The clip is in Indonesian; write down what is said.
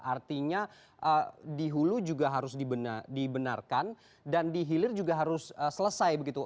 artinya di hulu juga harus dibenarkan dan di hilir juga harus selesai begitu